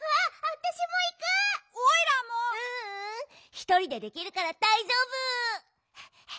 ひとりでできるからだいじょうぶ！